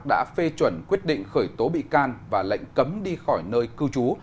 đã phê chuẩn quyết định khởi tố bị can và lệnh cấm đi khỏi nơi cư trú